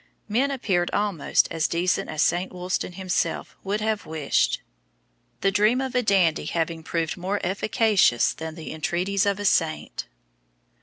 Men appeared almost as decent as St. Wulstan himself could have wished, the dream of a dandy having proved more efficacious than the entreaties of a saint.